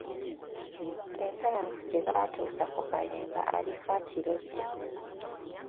Ensanafu kye zaatuusa ku Kayemba alifa akirojja.